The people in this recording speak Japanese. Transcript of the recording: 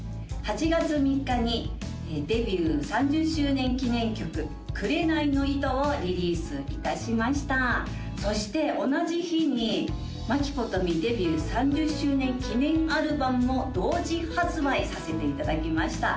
８月３日にデビュー３０周年記念曲「くれないの糸」をリリースいたしましたそして同じ日に真木ことみデビュー３０周年記念アルバムを同時発売させていただきました